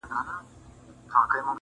• د خپل عقل په کمال وو نازېدلی -